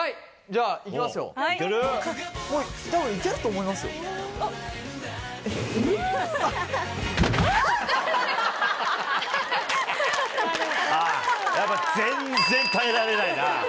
あぁやっぱ全然耐えられないな。